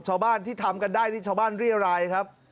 ชาวบ้านที่ทำกันได้นี่ชาวบ้านเรียรายครับ